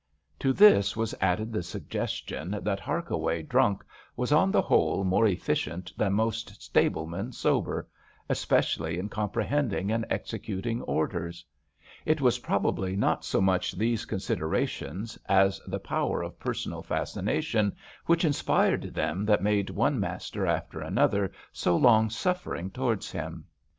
i8 HARKAWAY To this was added the suggestion, that Harkaway drunk was on the whole more efficient than most stablemen sober, especially in comprehending and executing orders. It was probably not so much these considerations as the power of personal fascination which inspired them that made one master after another so long suffering towards him.